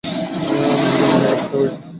আমি নিজেই আমার মেয়েকে হত্যা করেছি।